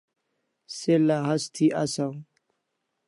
Se lahaz thi asaw